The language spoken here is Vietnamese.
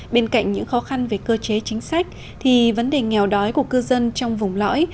bên cạnh những khó khăn về cơ chế chính sách thì vấn đề nghèo đói của cư dân trong vùng lõi